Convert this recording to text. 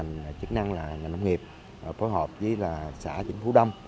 nhàm chức năng là nhà nông nghiệp phối hợp với là xã vĩnh phú đông